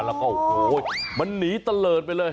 แล้วก็โอ้โหมันหนีตะเลิศไปเลย